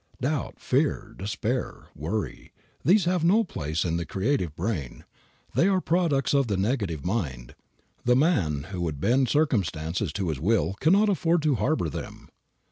Doubt, fear, despair, worry, these have no place in the creative brain. They are products of the negative mind. The man who would bend circumstances to his will can not afford to harbor them.